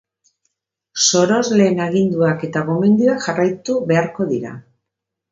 Sorosleen aginduak eta gomendioak jarraitu beharko dira.